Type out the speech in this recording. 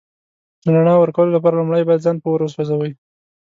د رڼا ورکولو لپاره لومړی باید ځان په اور وسوځوئ.